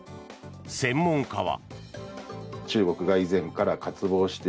専門家は。